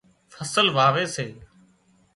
فصل واوي سي